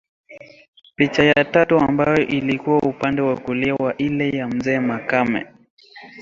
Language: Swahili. Picha ya tatu ambayo ilikuwa upande wa kulia wa ile ya mzee makame